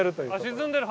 沈んでる。